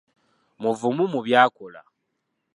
Muvumu mu by’akola